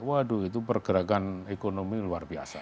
waduh itu pergerakan ekonomi luar biasa